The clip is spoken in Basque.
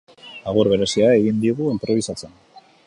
Agur berezia egin digu inprobisatzen.